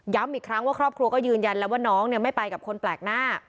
อีกครั้งว่าครอบครัวก็ยืนยันแล้วว่าน้องเนี่ยไม่ไปกับคนแปลกหน้า